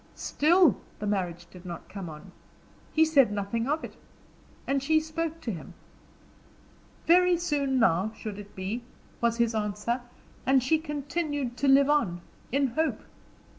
Still, the marriage did not come on; he said nothing of it, and she spoke to him. Very soon now, should it be, was his answer, and she continued to live on in hope."